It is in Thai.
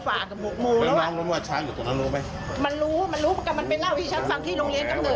ไปดูช้างแล้วช้างมันบินเข้าใส่